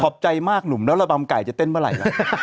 บใจมากหนุ่มแล้วระบำไก่จะเต้นเมื่อไหร่ล่ะ